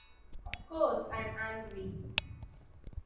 Of course I am angry.